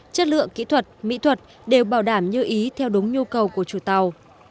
chất lượng kỹ thuật mỹ thuật đều bảo đảm như ý theo đúng nhu cầu của chủ tàu